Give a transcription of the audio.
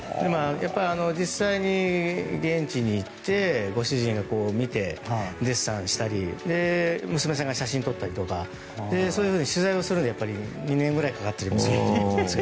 実際、現地に行ってご主人が見てデッサンしたり娘さんが写真撮ったりとかそういうふうに取材をするので２年ぐらいかかってしまうと。